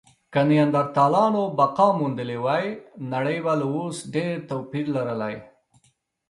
که نیاندرتالانو بقا موندلې وی، نړۍ به له اوس ډېر توپیر لرلی.